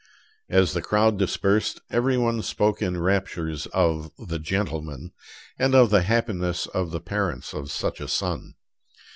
As the crowd dispersed, every one spoke in raptures of the "gentleman" and of the happiness of the parents of such a son.